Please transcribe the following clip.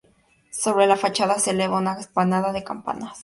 Sobre la fachada se eleva una espadaña de campanas.